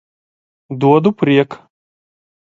Dodu priek